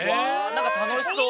なんかたのしそう！